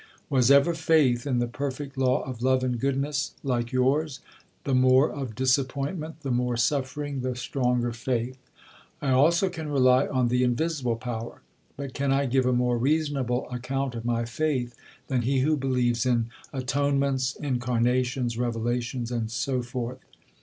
Was ever faith in the "perfect law of Love and Goodness", like yours? the more of disappointment, the more suffering, the stronger faith. I also can rely on the invisible Power; but can I give a more reasonable account of my Faith than he who believes in Atonements, Incarnations, Revelations, and so forth?